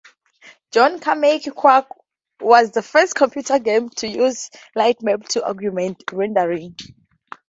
John Carmack's Quake was the first computer game to use lightmaps to augment rendering.